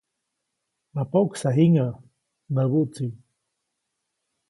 ‒ma poʼksa jiŋäʼ‒ näbu tsiʼ.